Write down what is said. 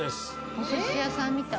お寿司屋さんみたい。